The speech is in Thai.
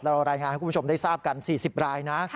เรารายงานให้คุณผู้ชมได้ทราบกัน๔๐รายนะ